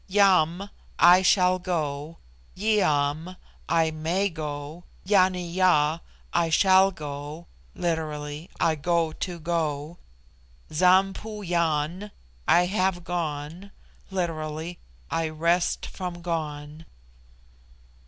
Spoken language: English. Yam, I shall go Yiam, I may go Yani ya, I shall go (literally, I go to go), Zam poo yan, I have gone (literally, I rest from gone).